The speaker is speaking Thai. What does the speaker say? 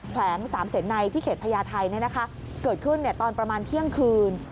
แขวง๓เสนในที่เขตพญาไทนี่นะคะเกิดขึ้นตอนประมาณเที่ยงคืน